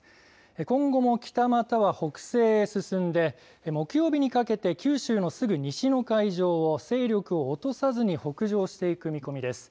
今後も北、または北西へ進んで木曜日にかけて九州のすぐ西の海上を勢力を落とさずに北上していく見込みです。